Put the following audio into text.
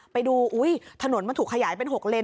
ไปดูอุ๊ยถนนมันถูกขยายเป็น๖เลน